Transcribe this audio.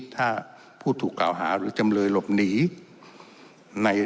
ถ้าผู้ถูกกล่าวหาหรือจำเลยหลบหนีใน